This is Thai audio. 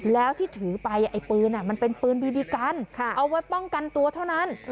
แล้วที่ถือไปไอ้ปืนมันเป็นปืนบีบีกันเอาไว้ป้องกันตัวเท่านั้น